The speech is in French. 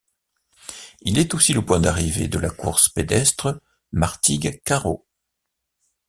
Il est aussi le point d'arrivée de la course pédestre Martigues-Carro.